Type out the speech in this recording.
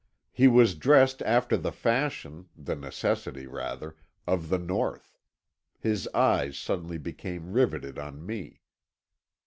He was dressed after the fashion, the necessity rather, of the North. His eyes suddenly became riveted on me.